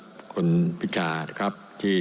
ขอบคุณคุณพิธามากครับ